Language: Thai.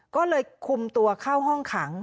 ก็เลยคุมตัวเข้าห้องขัง